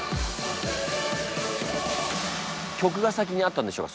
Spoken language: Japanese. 曲が先にあったんでしょうか